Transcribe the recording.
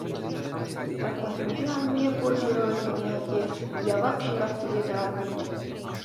Ҫак кунсенче аннен пур ҫырӑвӗсене те явап ҫырас тесе тӑраттӑмччӗ.